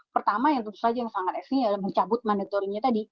pertama yang tentu saja yang sangat efisi adalah mencabut monitoringnya tadi